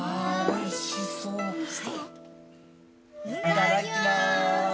◆いただきまーす。